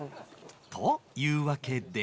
というわけで